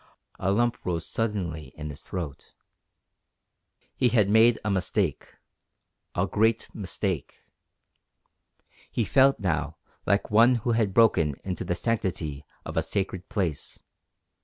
A lump rose suddenly in his throat. He had made a mistake a great mistake. He felt now like one who had broken into the sanctity of a sacred place.